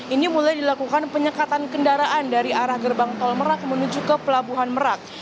ini mulai dilakukan penyekatan kendaraan dari arah gerbang tol merak menuju ke pelabuhan merak